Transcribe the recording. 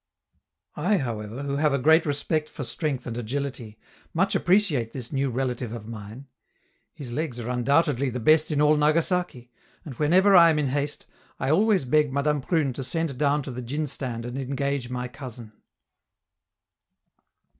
I, however, who have a great respect for strength and agility, much appreciate this new relative of mine. His legs are undoubtedly the best in all Nagasaki, and whenever I am in haste, I always beg Madame Prune to send down to the djin stand and engage my cousin.